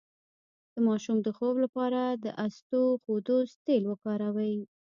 د ماشوم د خوب لپاره د اسطوخودوس تېل وکاروئ